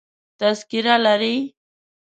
تذکره لرې؟